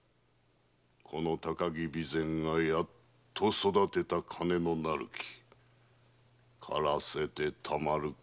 この高木備前がやっと育てた金のなる木枯らせてたまるか。